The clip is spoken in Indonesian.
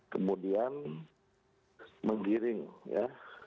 kemudian menggiring ya